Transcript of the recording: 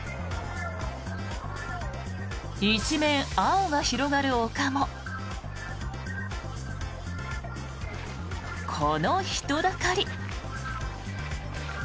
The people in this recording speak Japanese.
一面、青が広がる丘もこの人だかり。